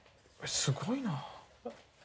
すごいなぁ。